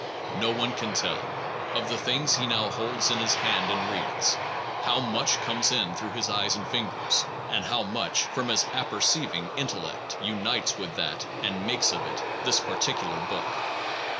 No one can tell, of the things he now holds in his hand and reads, how much comes in through his eyes and fingers, and how much, from his apperceiving intellect, unites with that and makes of it this particular book